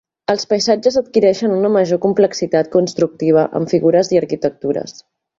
Els paisatges adquireixen una major complexitat constructiva amb figures i arquitectures.